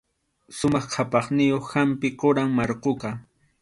Sumaq qʼapayniyuq hampi quram markhuqa.